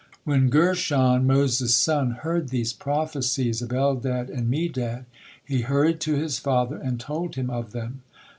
When Gershon, Moses' son, heard these prophecies of Eldad and Medad, he hurried to his father and told him of them.